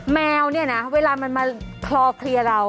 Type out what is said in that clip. แมวเนี่ยนะเวลามันมาคลอเคลียร์เรา